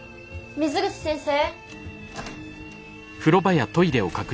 水口先生？